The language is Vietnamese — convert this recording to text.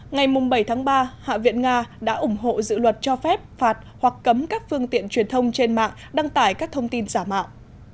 ngày bảy tháng ba hạ viện nga đã ủng hộ dự luật cho phép phạt hoặc cấm các phương tiện truyền thông trên mạng đăng tải các thông tin giả mạo